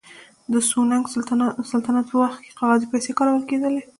د سونګ سلطنت په وخت کې کاغذي پیسې کارول کېدې.